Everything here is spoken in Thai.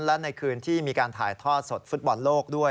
และในคืนที่มีการถ่ายทอดสดฟุตบอลโลกด้วย